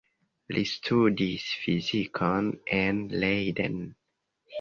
Li studis fizikon en Leiden.